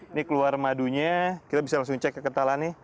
ini keluar madunya kita bisa langsung cek kekentalan nih